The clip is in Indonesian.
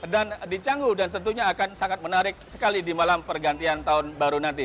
dan di cangguh dan tentunya akan sangat menarik sekali di malam pergantian tahun baru nanti